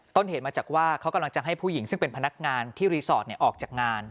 ต้นเหตุมาจากว่าเขากำลังจะให้ผู้หญิงซึ่งเป็นพนักงานที่รีสอร์ทออกจากงาน